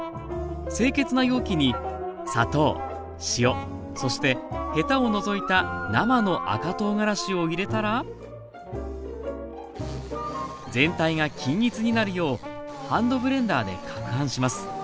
清潔な容器に砂糖塩そしてヘタを除いた生の赤とうがらしを入れたら全体が均一になるようハンドブレンダーでかくはんします